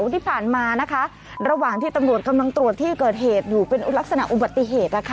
ที่ตำรวจกำลังตรวจที่เกิดเหตุอยู่เป็นลักษณะอุบัติเหตุ